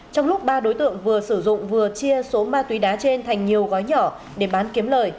trong lúc ba đối tượng vừa sử dụng vừa chia số ma túy đá trên thành nhiều gói nhỏ để bán kiếm lời